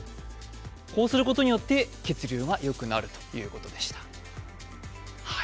こうすることによって血流がよくなるということでした。